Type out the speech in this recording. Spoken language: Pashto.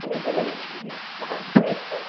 ګلان باید اوبه کړل شي.